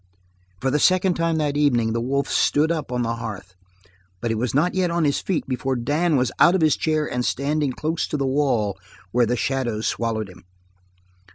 For the second time that evening the wolf stood up on the hearth, but he was not yet on his feet before Dan was out of his chair and standing close to the wall, where the shadows swallowed him.